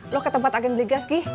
lo ke tempat agen beli gas gi